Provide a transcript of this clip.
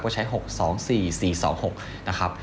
ก็ใช้๖๒๔๔๒๖นะครับ